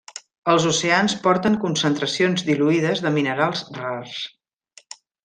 Els oceans porten concentracions diluïdes de minerals rars.